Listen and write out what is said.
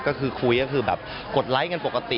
ก็คือคุยก็คือแบบกดไลค์กันปกติ